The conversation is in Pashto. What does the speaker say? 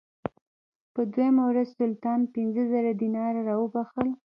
په دوهمه ورځ سلطان پنځه زره دیناره راوبخښل.